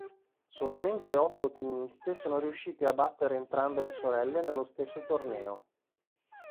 Solamente otto tenniste sono riuscite a battere entrambe le sorelle nello stesso torneo.